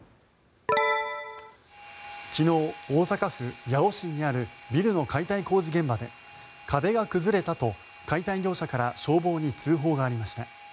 昨日、大阪府八尾市にあるビルの解体工事現場で壁が崩れたと解体業者から消防に通報がありました。